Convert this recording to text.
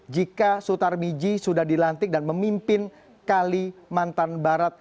jika sutar miji sudah dilantik dan memimpin kalimantan barat